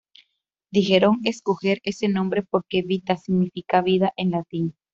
Dijeron escoger ese nombre porque "vita" significa "vida" en latín.